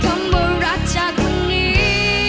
คำว่ารักจากตรงนี้